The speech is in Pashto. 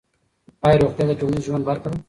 آیا روغتیا د ټولنیز ژوند برخه ده؟